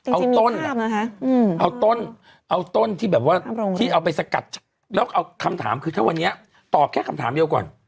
เอาต้นเอาต้นเอาต้นที่แบบว่าที่เอาไปสกัดแล้วเอาคำถามคือถ้าวันนี้ตอบแค่คำถามเดียวก่อน